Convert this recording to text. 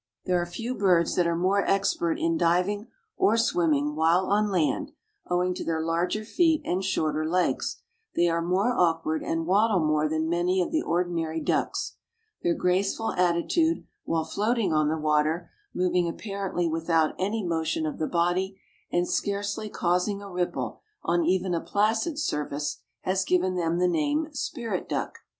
There are few birds that are more expert in diving or swimming, while on land, owing to their larger feet and shorter legs, they are more awkward and waddle more than many of the ordinary ducks. Their graceful attitude while floating on the water, moving apparently without any motion of the body and scarcely causing a ripple on even a placid surface, has given them the name Spirit duck.